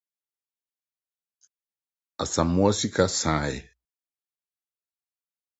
Asamoa sika sae.